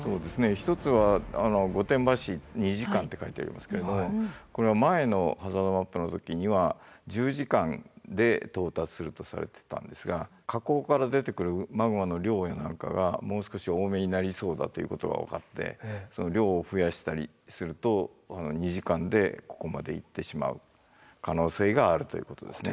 一つは「御殿場市２時間」って書いてありますけれどもこれは前のハザードマップの時には１０時間で到達するとされてたんですが火口から出てくるマグマの量や何かがもう少し多めになりそうだということが分かってその量を増やしたりすると２時間でここまで行ってしまう可能性があるということですね。